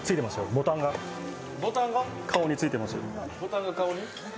ボタンが顔についてますよ。